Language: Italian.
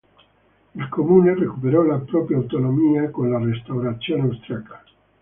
Il comune recuperò la propria autonomia con la restaurazione austriaca.